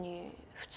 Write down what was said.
普通。